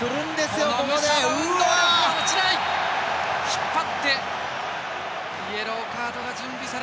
引っ張ってイエローカードが。